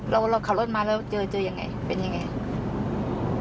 เราขับคลับมาเจอยังไงเป็นอย่างไร